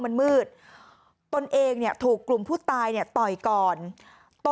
มันเป็นวันเรียงมันเป็นวันเรียง